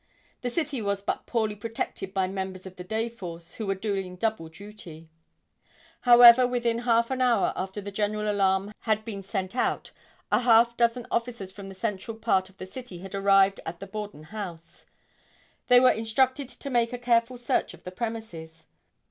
The city was but poorly protected by members of the day force, who were doing double duty. [Illustration: JOHN CUNNINGHAM.] However, within half an hour after the general alarm had been sent out a half dozen officers from the central part of the city had arrived at the Borden house. They were instructed to make a careful search of the premises.